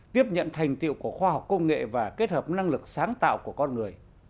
tiếp nhận thành tiệu của khoa học công nghệ và kết hợp năng lực sáng tạo của con người